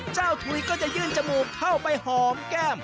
ทุยก็จะยื่นจมูกเข้าไปหอมแก้ม